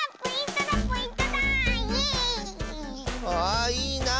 あいいな。